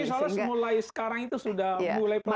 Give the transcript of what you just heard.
tapi insya allah mulai sekarang itu sudah mulai pelan pelan